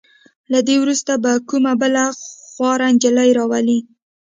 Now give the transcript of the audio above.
له دې وروسته به کومه بله خواره نجلې راولئ.